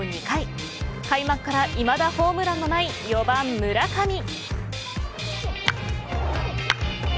２回開幕からいまだホームランのない４番、村上。